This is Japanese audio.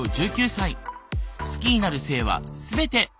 好きになる性は全て。